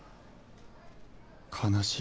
悲しい。